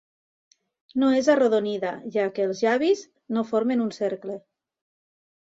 No és arrodonida, ja que els llavis no formen un cercle.